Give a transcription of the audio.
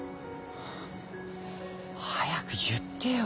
はあ早く言ってよ。